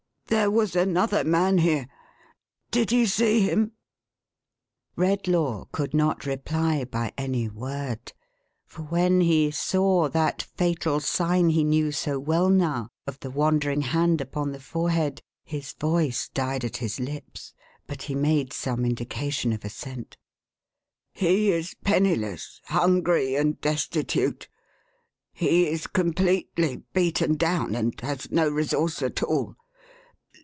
There was another man here. Did you see him ?" Redlaw could not reply by any word; for when he saw that fatal sign he knew so well now, of the wandering hand upon the forehead, his voice died at his lips. But he made some indication of assent. " He is penniless, hungry, and destitute. He is completely beaten down, and has no resource at all.